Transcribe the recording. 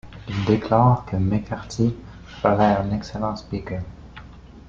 Il déclare que McCarthy ferait un excellent speaker.